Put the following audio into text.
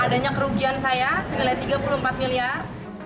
adanya kerugian saya senilai tiga puluh empat miliar